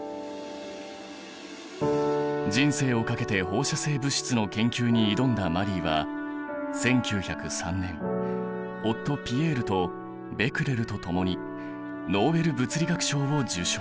人生を懸けて放射性物質の研究に挑んだマリーは１９０３年夫・ピエールとベクレルとともにノーベル物理学賞を受賞。